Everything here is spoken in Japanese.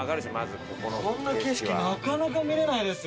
こんな景色なかなか見れないですよ。